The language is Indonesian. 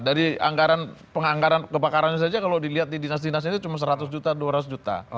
dari anggaran penganggaran kebakarannya saja kalau dilihat di dinas dinasnya itu cuma seratus juta dua ratus juta